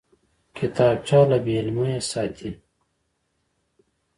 کتابچه له بېعلمۍ ساتي